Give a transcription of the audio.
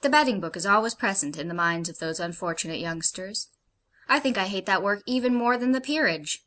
The betting book is always present in the minds of those unfortunate youngsters. I think I hate that work even more than the 'Peerage.'